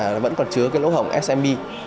nó vẫn còn chứa cái lỗ hổng smb